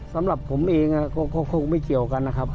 สำหรับผมเองก็คงไม่เกี่ยวกันนะครับ